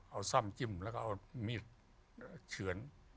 เอาซ่ำจิ้มแล้วก็เอามีดเฉือน